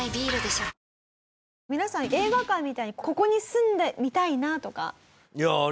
皆さん映画館みたいに「ここに住んでみたいな」とか。